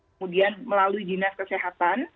kemudian melalui dinas kesehatan